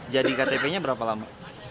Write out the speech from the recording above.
jadi iktp nya berapa lama